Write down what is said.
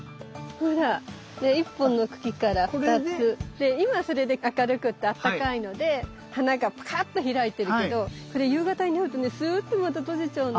で今それで明るくってあったかいので花がパカっと開いてるけどこれ夕方になるとねスゥッとまた閉じちゃうの。